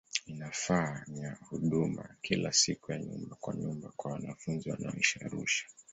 Inafanya huduma ya kila siku ya nyumba kwa nyumba kwa wanafunzi wanaoishi Arusha.